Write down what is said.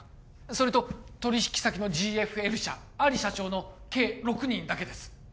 それと取引先のＧＦＬ社アリ社長の計６人だけです